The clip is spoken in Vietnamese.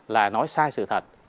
là nói sai sự thật